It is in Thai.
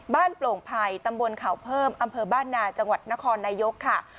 โปร่งภัยตำบลเขาเพิ่มอำเภอบ้านนาจังหวัดนครนายกค่ะ